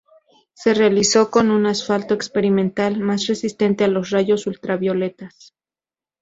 Se realizó con un asfalto experimental más resistente a los rayos ultravioletas.